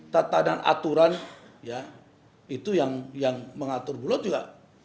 tata dan aturan ya itu yang mengatur bulog juga